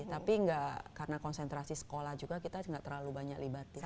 tapi nggak karena konsentrasi sekolah juga kita nggak terlalu banyak libatin